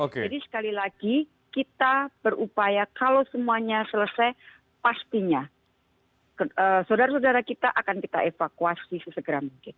jadi sekali lagi kita berupaya kalau semuanya selesai pastinya saudara saudara kita akan kita evakuasi sesegera mungkin